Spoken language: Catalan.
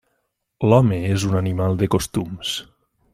L'home és un animal de costums.